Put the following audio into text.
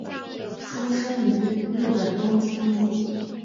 出身于日本东京都。